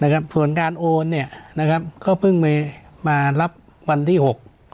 ส่วนการโอนเนี่ยนะครับก็เพิ่งไปมารับวันที่หก